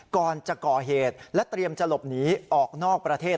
ก่อนจะก่อเหตุและเตรียมจะหลบหนีออกนอกประเทศ